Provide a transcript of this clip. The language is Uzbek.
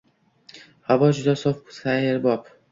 Havo juda sof, sayrbop…